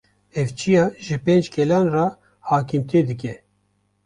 Ev çiya ji pênc gelan re hakimtê dike